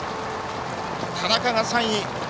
田中が３位。